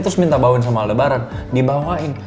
terus minta bawain sama aldebaran dibawain